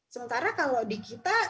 sementara kalau di kita